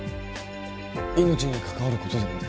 命にかかわることでも？